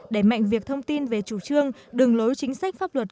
để mạnh việc thông tin về chủ trương đường lối chính sách pháp luật